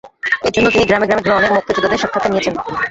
এজন্য তিনি গ্রামে গ্রামে ঘুরে অনেক মুক্তিযোদ্ধাদের সাক্ষাৎকার নিয়েছেন।